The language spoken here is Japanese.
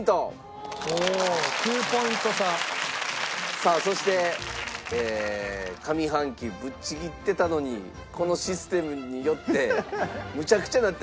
さあそして上半期ぶっちぎってたのにこのシステムによってむちゃくちゃになってます